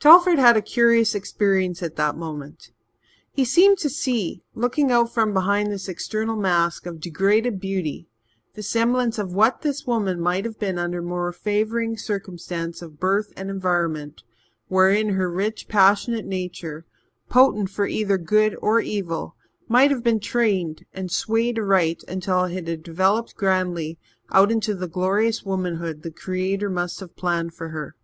Telford had a curious experience at that moment. He seemed to see, looking out from behind this external mask of degraded beauty, the semblance of what this woman might have been under more favouring circumstance of birth and environment, wherein her rich, passionate nature, potent for either good or evil, might have been trained and swayed aright until it had developed grandly out into the glorious womanhood the Creator must have planned for her.